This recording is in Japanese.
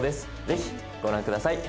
ぜひご覧ください。